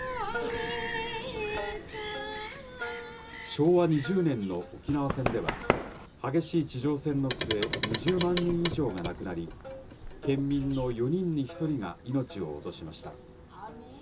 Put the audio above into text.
昭和２０年の沖縄戦では、激しい地上戦の末、２０万人以上が亡くなり、県民の４人に１人が命を落としました。